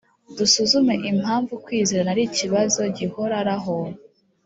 dusuzume impamvu kwizerana ari ikibazo gihoraraho.